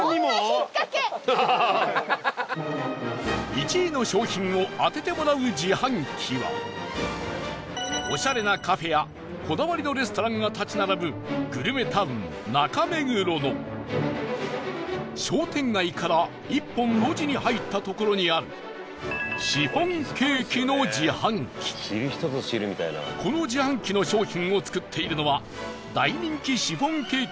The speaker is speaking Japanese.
１位の商品を当ててもらう自販機はオシャレなカフェやこだわりのレストランが立ち並ぶグルメタウン、中目黒の商店街から１本、路地に入った所にあるこの自販機の商品を作っているのは大人気シフォンケーキ